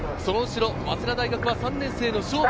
早稲田大学は３年生の菖蒲敦司。